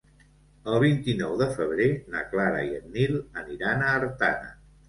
El vint-i-nou de febrer na Clara i en Nil aniran a Artana.